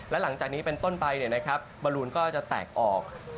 และหลังจากนี้เป็นต้นไปบอลูนก็จะแตกออก